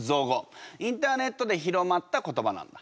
インターネットで広まった言葉なんだ。